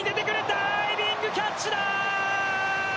ダイビングキャッチだ！